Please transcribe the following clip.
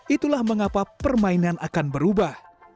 itulah mengapa permainan akan berubah